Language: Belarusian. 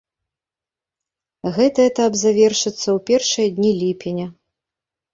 Гэты этап завершыцца ў першыя дні ліпеня.